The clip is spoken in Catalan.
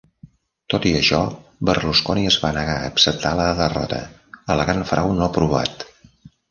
Tot i això, Berlusconi es va negar a acceptar la derrota, al·legant frau no provat.